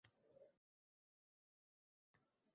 Keyt Middltonning suratlari London muzeyida namoyish etildi